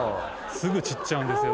すぐ散っちゃうんですよ。